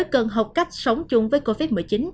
cần học cách sống chung với covid một mươi chín